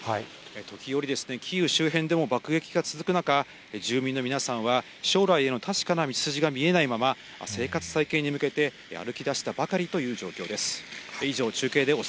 時折ですね、キーウ周辺でも爆撃が続く中、住民の皆さんは、将来への確かな道筋が見えないまま、生活再建に向けて歩き出したばかりという状況です。